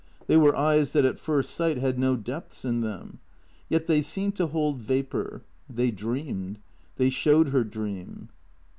They were eyes that at first sight had no depths in them. Yet they seemed to hold vapour. They dreamed. They showed her dream.